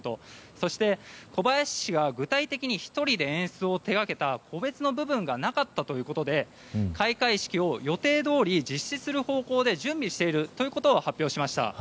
そして、小林氏が具体的に１人で演出を手掛けた個別の部分がなかったということで開会式を予定どおり実施する方向で準備していると発表しました。